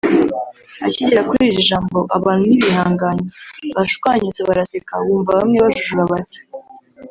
Akigera kuri iri jambo abantu ntibihanganye bashwanyutse baraseka wumva bamwe bajujura bati